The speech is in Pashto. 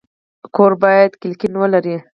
کور باید کړکۍ ولري